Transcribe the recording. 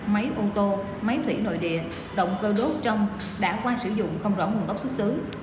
máy ô tô máy thủy nội địa động cơ đốt trong đã qua sử dụng không rõ nguồn gốc xuất xứ